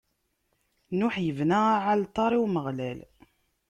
Nuḥ ibna aɛalṭar i Umeɣlal.